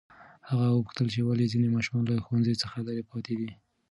هغه وپوښتل چې ولې ځینې ماشومان له ښوونځي څخه لرې پاتې دي.